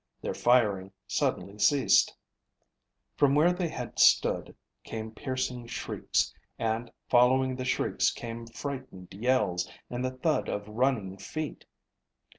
Their firing suddenly ceased. From where they had stood came piercing shrieks, and following the shrieks came frightened yells and the thud of running feet.